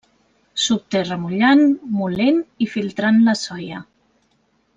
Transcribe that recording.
S'obté remullant, molent i filtrant la soia.